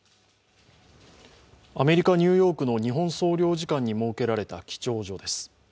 アメリカ・ニューヨークの日本総領事館に設けられた記帳所です。